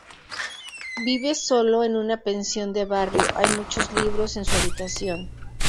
Vive solo en una pensión de barrio, hay muchos libros en su habitación.